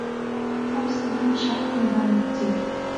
Хәымсагьы Шьақро дааигәӡит.